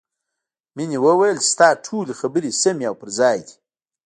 مینې وویل چې ستا ټولې خبرې سمې او پر ځای دي